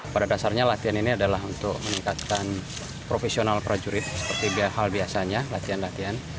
pada dasarnya latihan ini adalah untuk meningkatkan profesional prajurit seperti hal biasanya latihan latihan